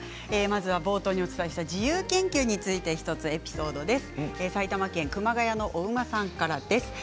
冒頭にお伝えした自由研究についてエピソードです。